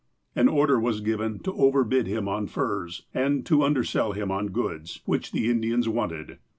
An order was given to overbid him on furs, and to undersell him on goods, which the Indians wanted.